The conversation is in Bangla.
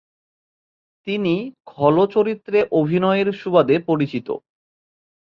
তিনি খল চরিত্রে অভিনয়ের সুবাদে পরিচিত।